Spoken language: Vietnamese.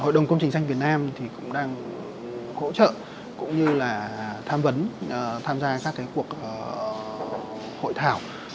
hội đồng công trình xanh việt nam cũng đang hỗ trợ cũng như là tham vấn tham gia các cuộc hội thảo